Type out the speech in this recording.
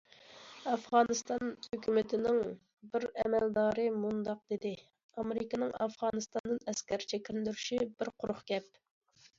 ئافغانىستان ھۆكۈمىتىنىڭ بىر ئەمەلدارى مۇنداق دېدى: ئامېرىكىنىڭ ئافغانىستاندىن ئەسكەر چېكىندۈرۈشى بىر قۇرۇق گەپ.